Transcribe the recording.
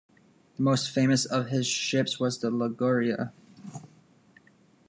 The most famous of his ships was the "Liguria".